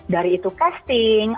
dari itu casting